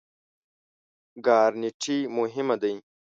ګارنټي مهمه دی؟